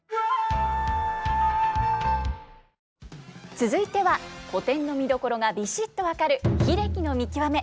続いては古典の見どころがビシッと分かる英樹さん